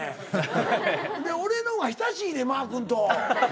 で俺の方が親しいねんマー君と。